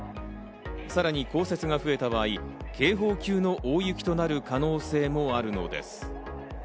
さらに降雪が増えた場合、警報級の大雪となる可能性もあるのです。